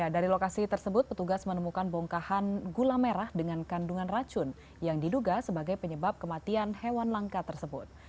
dari lokasi tersebut petugas menemukan bongkahan gula merah dengan kandungan racun yang diduga sebagai penyebab kematian hewan langka tersebut